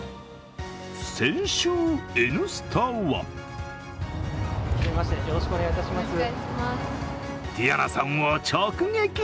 先週、「Ｎスタ」はティヤナさんを直撃。